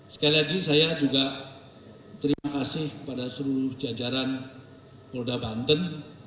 sekali lagi saya juga terima kasih kepada seluruh jajaran polda banten